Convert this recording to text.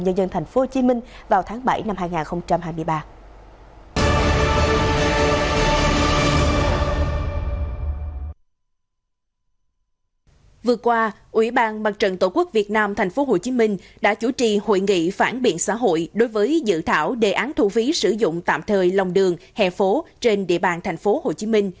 các sở ngành ủy ban nhân dân tp hcm đã chủ trì hội nghị phản biện xã hội đối với dự thảo đề án thu phí sử dụng tạm thời lòng đường hè phố trên địa bàn tp hcm